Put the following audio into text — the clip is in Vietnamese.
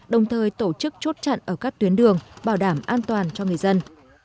đồng thời tổ chức chốt chặn ở các tuyến đường bảo đảm an toàn cho người dân